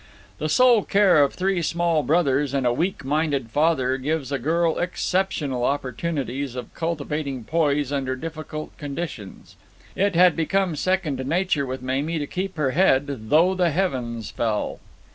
The sole care of three small brothers and a weak minded father gives a girl exceptional opportunities of cultivating poise under difficult conditions. It had become second nature with Mamie to keep her head though the heavens fell.